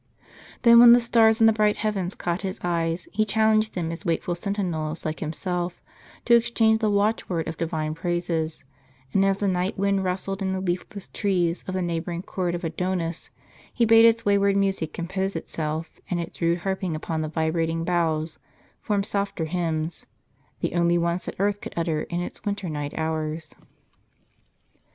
Then when the stars in the bright heavens caught his eyes, he challenged them as wakeful sentinels like himself, to exchange the watchword of Divine praises; and as the night wind rustled in the leafless trees of the neighboring court of Adonis, he bade its wayward music compose itself, and its rude harping upon the vibrating boughs form softer hymns, — the only ones that earth could utter in its winter night hours.